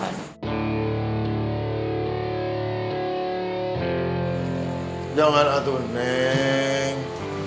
jangan atuh neng